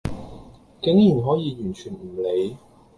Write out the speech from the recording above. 竟然可以完全唔理